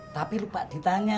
tapi lupa ditanya